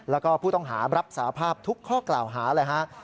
แล้วก็ผู้ต้องหารับสาภาพทุกข้อกล่าวหาเลยฮะ